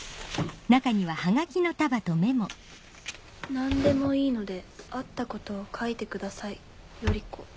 「何でも良いのであったことを書いて下さい頼子」。